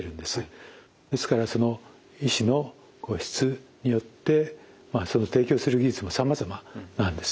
ですから医師の質によって提供する技術もさまざまなんですね。